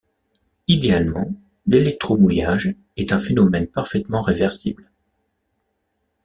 Idéalement, l'électromouillage est un phénomène parfaitement réversible.